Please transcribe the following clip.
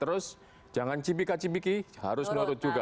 terus jangan cipika cipiki harus nurut juga